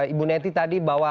ibu neti tadi bahwa